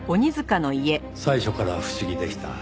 最初から不思議でした。